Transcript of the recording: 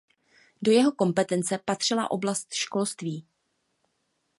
Do jeho kompetence patřila oblast školství.